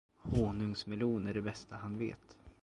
Honungsmelon är det bästa han vet.